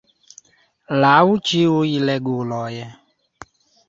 Laŭ ĉiuj reguloj!